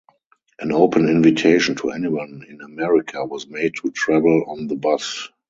An open invitation to anyone in America was made to travel on the bus.